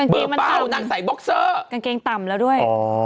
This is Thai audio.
เบอร์เป้านางใส่บ็อกเซอร์กางเกงต่ำแล้วด้วย